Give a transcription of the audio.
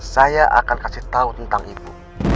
saya akan kasih tau tentang ibu